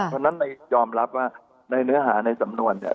เพราะฉะนั้นยอมรับว่าในเนื้อหาในสำนวน